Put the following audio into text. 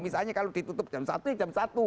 misalnya kalau ditutup jam satu ya jam satu